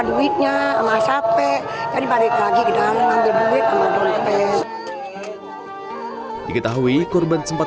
duitnya sama capek jadi balik lagi ke dalam ambil duit sama domes diketahui korban sempat